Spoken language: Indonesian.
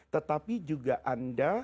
tetapi juga anda